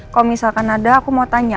kalau misalkan ada aku mau tanya